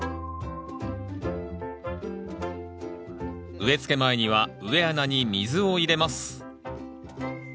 植えつけ前には植え穴に水を入れます。